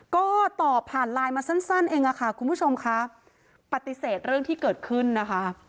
ก็ตอบผ่านไลน์มาสั้นสั้นเองอะค่ะคุณผู้ชมค่ะปฏิเสธเรื่องที่เกิดขึ้นนะคะ